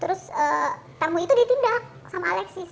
terus tamu itu ditindak sama alexis